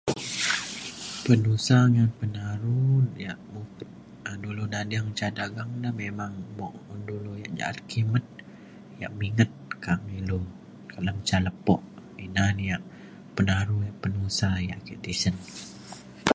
Penusa ngan penaru ya an dulu nading ca dagang ala memang un dulu jaat kimet ya minget ka'ang ilu alem ca lepo ina ne ya penaru penusa ya ke tisen.